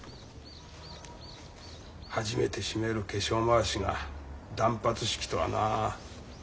初めて締める化粧まわしが断髪式とはな。